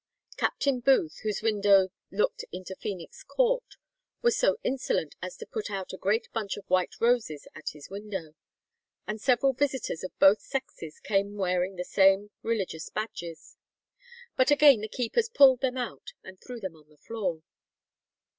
"Captain Booth, whose window looked into Phœnix Court, was so insolent as to put out a great bunch of white roses at his window," and several visitors of both sexes came wearing the same rebellious badges. But again the keepers pulled them out and threw them on the floor.